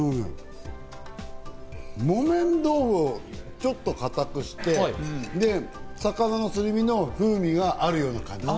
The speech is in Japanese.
木綿豆腐をちょっと硬くして魚のすり身の風味があるような感じ。